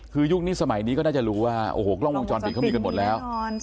ก็ได้ยุคนี้สมัยนี้ก็รู้ว่ากล้องมุงจอลคลิงมีกันเกิดหมดแล้ว